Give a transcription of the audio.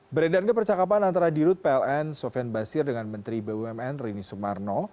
beredar ke percakapan antara dirut pln sofian basir dengan menteri bumn rini sumarno